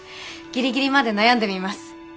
ギリギリまで悩んでみます。